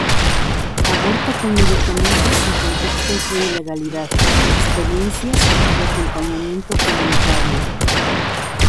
Aborto con medicamentos en contextos de ilegalidad: experiencias de acompañamiento comunitario".